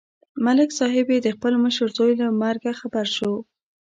ملک صاحب چې د خپل مشر زوی له مرګه خبر شو